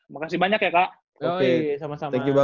makasih banyak ya kak